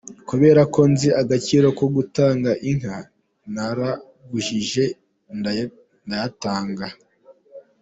Kubera ko nzi agaciro ko gutunga inka, naragujije ndayatanga.